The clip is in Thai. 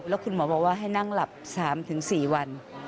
แล้วคุณหมอบอกว่าให้นั่งหลับ๓๔วัน